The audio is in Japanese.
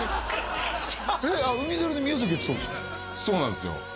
そうなんですよ